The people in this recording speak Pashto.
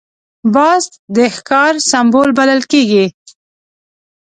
باز د ښکار سمبول بلل کېږي